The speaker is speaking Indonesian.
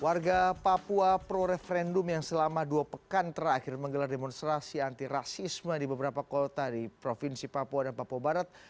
warga papua pro referendum yang selama dua pekan terakhir menggelar demonstrasi antirasisme di beberapa kota di provinsi papua dan papua barat